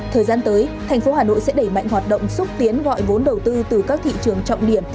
thời gian tới thành phố hà nội sẽ đẩy mạnh hoạt động xúc tiến gọi vốn đầu tư từ các thị trường trọng điểm